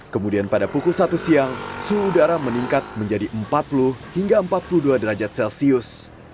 kemudian pada pukul satu siang suhu udara meningkat menjadi empat puluh hingga empat puluh dua derajat celcius